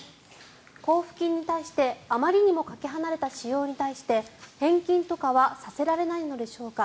交付金に対してあまりにもかけ離れた使用に対して、返金とかはさせられないのでしょうか？